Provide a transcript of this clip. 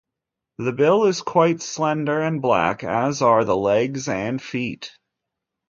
The bill is quite slender and black, as are the legs and feet.